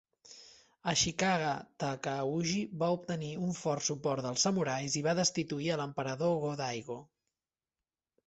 Ashikaga Takauji va obtenir un fort suport dels samurais i va destituir a l'Emperador Go-Daigo.